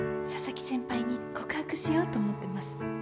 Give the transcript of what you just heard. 佐々木先輩に告白しようと思ってます。